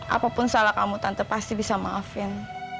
apapun salah kamu tante pasti bisa maafin